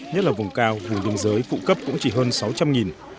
nhất là vùng cao vùng biên giới phụ cấp cũng chỉ hơn sáu trăm linh